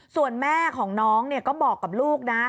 ส่วนแม่ของน้องก็บอกกับลูกนะ